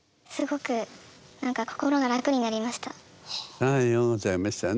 はいようございましたね。